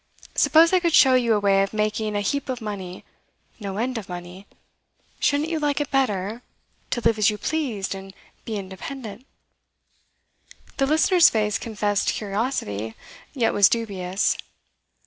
Suppose I could show you a way of making a heap of money no end of money ? Shouldn't you like it better, to live as you pleased, and be independent?' The listener's face confessed curiosity, yet was dubious.